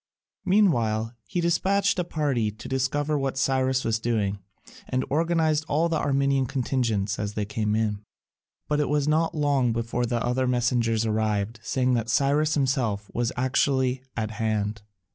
Meanwhile he despatched a party to discover what Cyrus was doing, and organised all the Armenian contingents as they came in. But it was not long before other messengers arrived, saying that Cyrus himself was actually at hand.